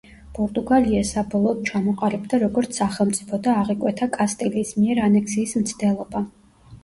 პორტუგალია საბოლოოდ ჩამოყალიბდა როგორც სახელმწიფო და აღიკვეთა კასტილიის მიერ ანექსიის მცდელობა.